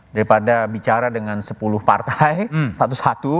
daripada bicara dengan sepuluh partai satu satu